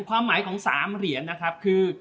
ความหมายของ๓เหรียญนะครับคือ